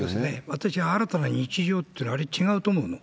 私は新たな日常っていうの、あれ、違うと思うの。